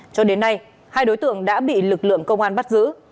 cho đến nay hai đối tượng đã bị lực lượng công an bắt giữ